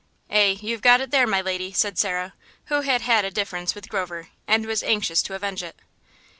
"Eh, you got it there, my lady," said Sarah, who had had a difference with Grover, and was anxious to avenge it.